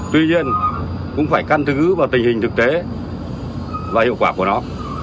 tuy nhiên cũng phải căn cứ vào tình hình thực tế và hiệu quả của nó